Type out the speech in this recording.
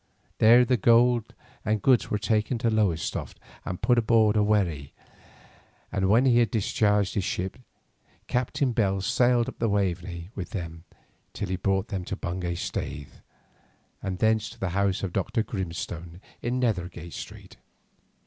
There the gold and goods were taken to Lowestoft and put aboard a wherry, and when he had discharged his ship, Captain Bell sailed up the Waveney with them till he brought them to Bungay Staithe and thence to the house of Dr. Grimstone in Nethergate Street.